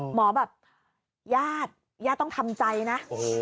แบบญาติญาติต้องทำใจนะ